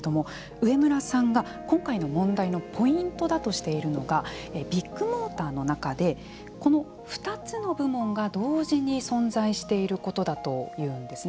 植村さんが今回の問題のポイントだとしているのがビッグモーターの中でこの２つの部門が同時に存在していることだというんですね。